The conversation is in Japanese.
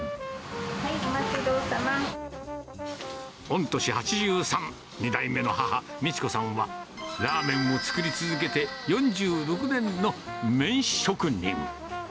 はい、御年８３、２代目の母、美智子さんは、ラーメンを作り続けて４６年の麺職人。